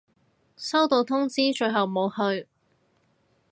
收到通知，最後冇去